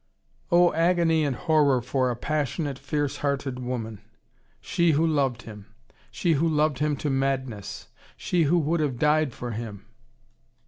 Oh, agony and horror for a passionate, fierce hearted woman! She who loved him. She who loved him to madness. She who would have died for him.